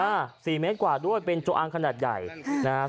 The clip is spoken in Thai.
สี่เมตรกว่าด้วยเป็นจงอางขนาดใหญ่นะฮะ